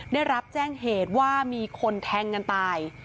ได้รับแจ้งเหตุว่ามีคนแทงกันตาย